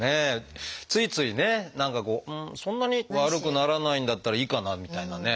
ついついね何かこうそんなに悪くならないんだったらいいかなみたいなね。